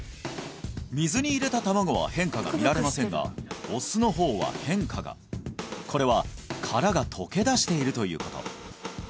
水に入れた卵は変化が見られませんがお酢の方は変化がこれは殻が溶け出しているということ